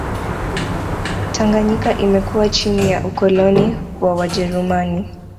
Tanganyika imekuwa chini ya ukoloni wa wajerumani